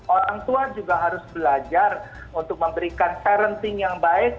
orang tua juga harus belajar untuk memberikan parenting yang baik